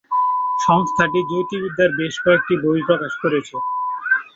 সংস্থাটি জ্যোতির্বিদ্যার বেশ কয়েকটি বই প্রকাশ করেছে।